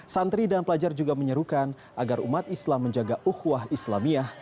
santri dan pelajar juga menyerukan agar umat islam menjaga uhwah islamiyah